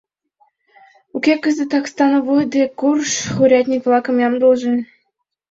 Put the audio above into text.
Уке, кызытак становой дек курж, урядник-влакым ямдылыже...